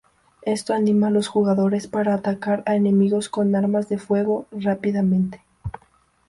Esto anima a los jugadores para atacar a enemigos con armas de fuego rápidamente.